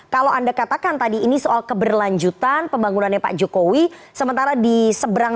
kalau anda katakan tadi ini soal keberlanjutan pembangunannya pak jokowi sementara di seberang